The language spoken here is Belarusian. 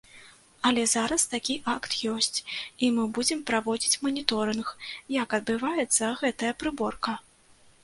Але зараз такі акт ёсць, і мы будзем праводзіць маніторынг, як адбываецца гэтая прыборка.